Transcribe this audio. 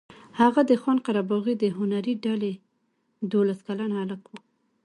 هغه د خان قره باغي د هنري ډلې دولس کلن هلک و.